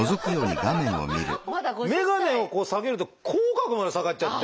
眼鏡を下げると口角まで下がっちゃって。